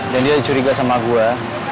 dan dia curiga sama gue